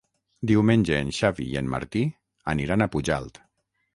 Diumenge en Xavi i en Martí aniran a Pujalt.